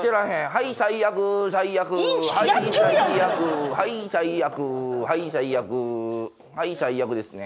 はい最悪はい最悪はい最悪はい最悪ですね